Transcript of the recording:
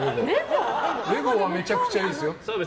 レゴはめちゃくちゃいいですよ。